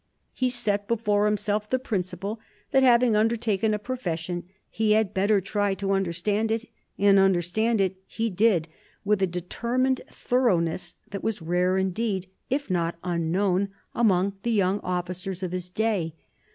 He set before himself the principle that having undertaken a profession he had better try to understand it, and understand it he did with a determined thoroughness that was rare indeed, if not unknown, among the young officers of his day.